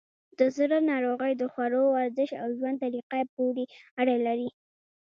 د زړه ناروغۍ د خوړو، ورزش، او ژوند طریقه پورې اړه لري.